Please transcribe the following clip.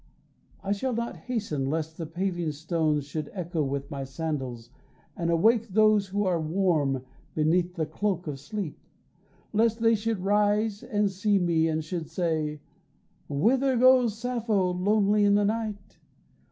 I shall not hasten lest the paving stones Should echo with my sandals and awake Those who are warm beneath the cloak of sleep, Lest they should rise and see me and should say, "Whither goes Sappho lonely in the night?"